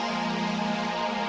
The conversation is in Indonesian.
ibu sudah menggigil farah